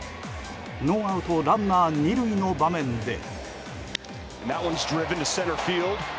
ノーアウトランナー２塁の場面で。